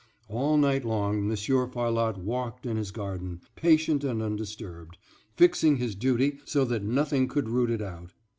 All night long Monsieur Farlotte walked in his garden, patient and undisturbed, fixing his duty so that nothing could root it out.